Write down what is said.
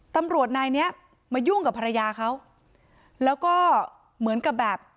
ตำรวจนายเนี้ยมายุ่งกับภรรยาเขาแล้วก็เหมือนกับแบบ